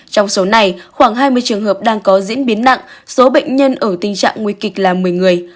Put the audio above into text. trong số này khoảng hai mươi trường hợp đang có diễn biến nặng số bệnh nhân ở tình trạng nguy kịch là một mươi người